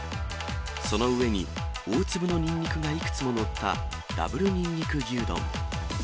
その上に、大粒のニンニクがいくつも載った、ダブルニンニク牛丼。